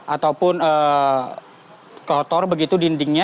ataupun kotor begitu dindingnya